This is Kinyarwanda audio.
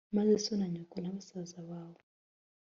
maze so na nyoko na basaza bawe